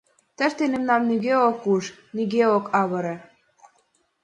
Тыште мемнам нигӧ ок уж, нигӧ ок авыре...